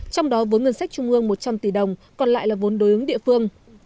trong đó vốn ngân sách trung ương một trăm linh tỷ đồng còn lại là vốn đối ứng địa phương